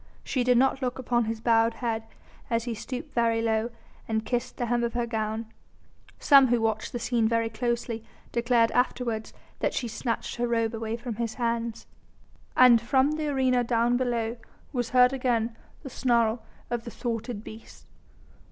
She did not look upon his bowed head as he stooped very low and kissed the hem of her gown; some who watched the scene very closely declared afterwards that she snatched her robe away from his hands. And from the arena down below was heard again the snarl of the thwarted beast.